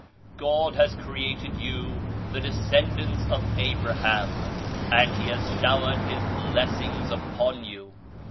God has created you the descendants of Abraham, and He has showered His blessings upon you.